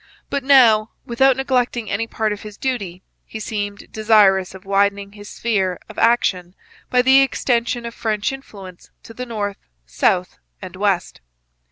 But now, without neglecting any part of his duty, he seemed desirous of widening his sphere of action by the extension of French influence to the north, south, and west.